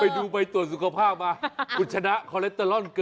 ไปดูไปตรวจสุขภาพมาหกุ้ดชนะเกินโคลแตรล่อน